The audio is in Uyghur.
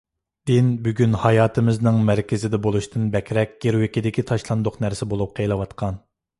دىن بۈگۈن ھاياتىمىزنىڭ مەركىزىدە بولۇشتىن بەكرەك گىرۋىكىدىكى تاشلاندۇق نەرسە بولۇپ قېلىۋاتقان.